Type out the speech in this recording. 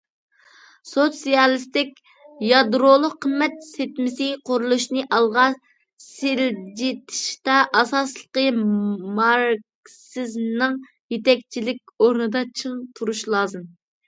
سوتسىيالىستىك يادرولۇق قىممەت سىستېمىسى قۇرۇلۇشىنى ئالغا سىلجىتىشتا ئاساسلىقى ماركسىزمنىڭ يېتەكچىلىك ئورنىدا چىڭ تۇرۇش لازىم.